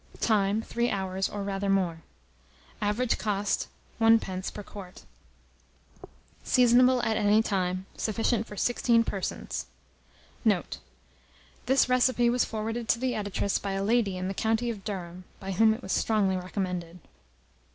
Time. 3 hours, or rather more. Average cost,1d. per quart. Seasonable at any time. Sufficient for 16 persons. Note. This recipe was forwarded to the Editress by a lady in the county of Durham, by whom it was strongly recommended.